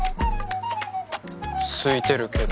すいてるけど。